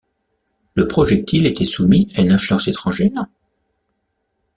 Le projectile était soumis à une influence étrangère?